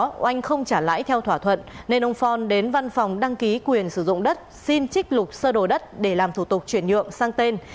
do đó oanh không trả lãi theo thỏa thuận nên ông phong đến văn phòng đăng ký quyền sử dụng đất xin trích lục sơ đồ đất để làm thủ tục chuyển nhượng sang tên